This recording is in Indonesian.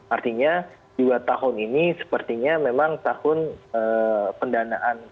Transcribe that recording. artinya dua tahun ini sepertinya memang tahun pendanaan